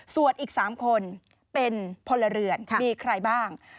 ส่วนอีก๓คนเป็นพลเรือนมีใครบ้าง